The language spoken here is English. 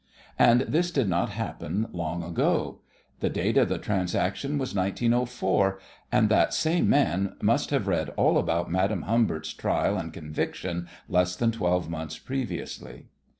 And this did not happen long ago. The date of the transaction was 1904, and that same man must have read all about Madame Humbert's trial and conviction less than twelve months previously.